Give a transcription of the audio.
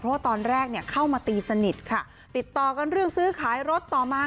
เพราะว่าตอนแรกเนี่ยเข้ามาตีสนิทค่ะติดต่อกันเรื่องซื้อขายรถต่อมา